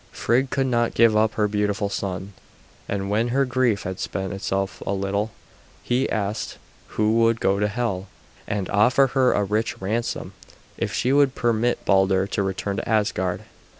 Frigg could not give up her beautiful son, and when her grief had spent itself a little, she asked who would go to Hel and offer her a rich ransom if she would permit Balder to return to Asgard.